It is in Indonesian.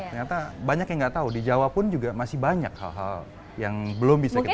ternyata banyak yang nggak tahu di jawa pun juga masih banyak hal hal yang belum bisa kita